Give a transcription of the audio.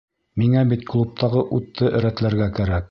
Миңә бит клубтағы утты рәтләргә кәрәк.